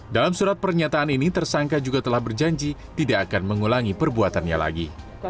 dalam surat pernyataan ini tersangka juga telah berjanji tidak akan mengulangi perbuatannya lagi